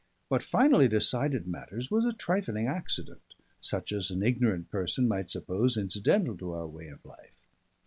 What finally decided matters was a trifling accident, such as an ignorant person might suppose incidental to our way of life.